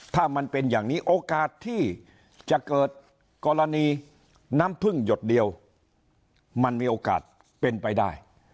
ถ้ามันเป็นอย่างนี้โอกาสที่จะเกิดกรณีน้ำพึ่งหยดเดียวมันมีโอกาสเป็นไปได้